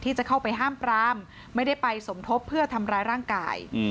จะเข้าไปห้ามปรามไม่ได้ไปสมทบเพื่อทำร้ายร่างกาย